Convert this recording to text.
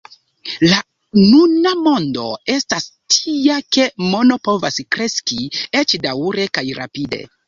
La nuna mondo estas tia ke mono povas kreski, eĉ daŭre kaj rapide.